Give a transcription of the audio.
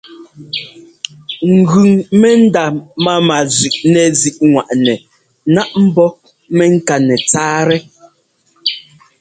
Ŋgʉŋ mɛndá máma zʉꞌnɛzíꞌŋwaꞌnɛ náꞌ ḿbɔ́ mɛŋká nɛtsáatɛ.